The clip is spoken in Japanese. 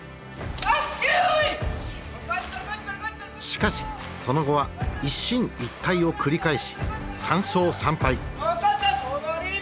しかしその後は一進一退を繰り返し３勝３敗。